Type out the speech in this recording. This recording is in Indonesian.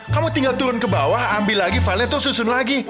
kamu tinggal turun ke bawah ambil lagi valet tuh susun lagi